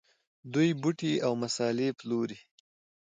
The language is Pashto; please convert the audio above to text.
دوی بوټي او مسالې پلوري.